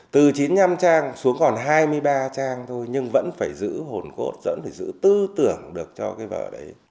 từ chín mươi năm trang xuống còn hai mươi ba trang thôi nhưng vẫn phải giữ hồn cốt vẫn phải giữ tư tưởng được cho cái vở đấy